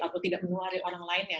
atau tidak menulari orang lainnya